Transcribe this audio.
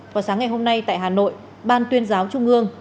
vào sáng ngày hôm nay tại hà nội ban tuyên giáo trung ương